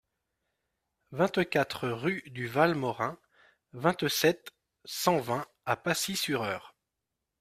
vingt-quatre rue du Val Morin, vingt-sept, cent vingt à Pacy-sur-Eure